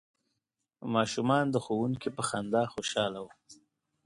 ماشومان د ښوونکي په خندا خوشحاله وو.